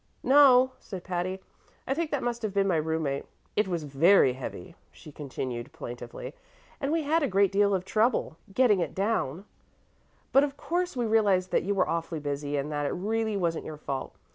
"No," said Patty; "I think that must have been my room mate. It was very heavy," she continued plaintively, "and we had a great deal of trouble getting it down, but of course we realized that you were awfully busy, and that it really wasn't your fault.